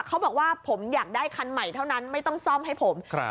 เขาบอกว่าผมอยากได้คันใหม่เท่านั้นไม่ต้องซ่อมให้ผม